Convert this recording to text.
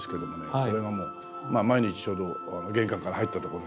これがもう毎日ちょうど玄関から入ったところに。